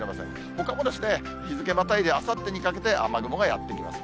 ほかも日付またいで、あさってにかけて、雨雲がやって来ます。